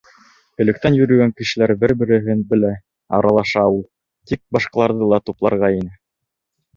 Электән йөрөгән кешеләр бер-береһен белә, аралаша ул, тик башҡаларҙы ла тупларға ине.